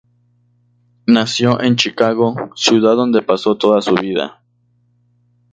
Nació en Chicago, ciudad donde pasó toda su vida.